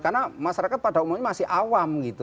karena masyarakat pada umumnya masih awam gitu